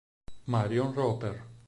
Marion Roper